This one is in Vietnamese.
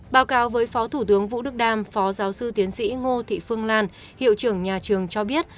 báo cáo với phó thủ tướng vũ đức đam phó giáo sư tiến sĩ ngô thị phương lan hiệu trưởng nhà trường cho biết